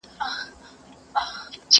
زه به سبا لوښي وچوم وم